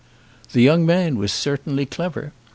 The young man was certainly clever.